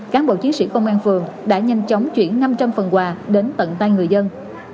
cán bộ chiến sĩ công an phường đã nhanh chóng chuyển năm trăm linh phần quà đến tận tay người dân